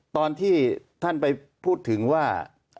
ตอนที่ท่านไปพูดถึงว่า